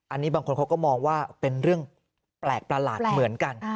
อันนี้บางคนเขาก็มองว่าเป็นเรื่องแปลกประหลาดเหมือนกัน